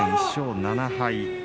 １勝７敗。